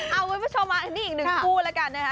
เอาไว้เพื่อชมามักรุ่งหนึ่งกูแล้วกันนะคะ